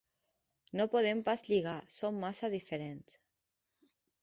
No podem pas lligar: som massa diferents.